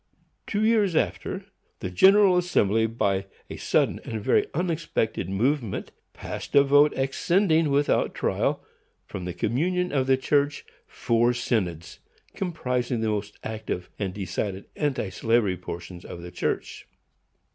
Two years after, the General Assembly, by a sudden and very unexpected movement, passed a vote exscinding, without trial, from the communion of the church, four synods, comprising the most active and decided anti slavery portions of the church.